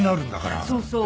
そうそう。